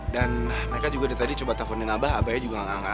dan mereka juga tadi coba telfonin abah abahnya juga gak angkat